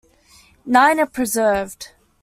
Nine are preserved.